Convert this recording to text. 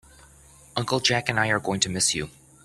Uncle Jack and I are going to miss you.